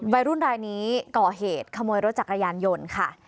วัยรุ่นรายนี้ก่อเหตุขโมยรถจักรยานยนต์ค่ะ